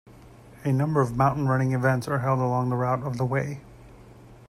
A number of mountain running events are held along the route of the Way.